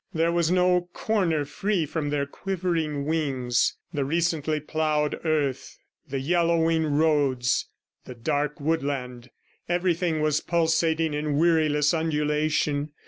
There was no corner free from their quivering wings. The recently plowed earth, the yellowing roads, the dark woodland, everything was pulsating in weariless undulation.